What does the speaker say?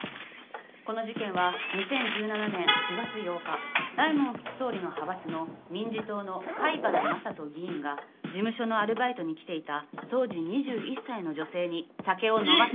「この事件は２０１７年４月８日大門副総理の派閥の民自党の貝原雅人議員が事務所のアルバイトに来ていた当時２１歳の女性に酒を飲ませ」。